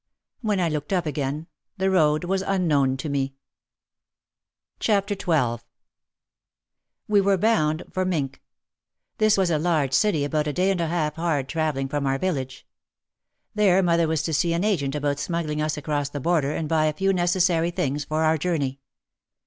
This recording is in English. When I looked up again the road was unknown to me. OUT OF THE SHADOW 47 XII We were bound for Mintck. This was a large city about a day and a half hard travelling from our village. There mother was to see an agent about smuggling us across the border and buy a few necessary things for our journey.